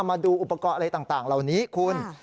มาดูอุปกรณ์อะไรต่างเหล่านี้คุณ